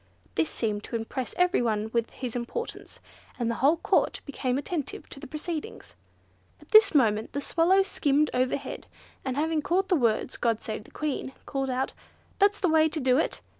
This seemed to impress every one with his importance, and the whole Court became attentive to the proceedings. At this moment the Swallow skimmed overhead, and having caught the words "God save the Queen," called out, "That's the way to do it!